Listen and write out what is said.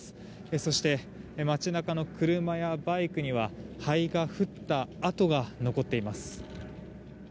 そして、街中の車やバイクには灰が降った跡が残っています。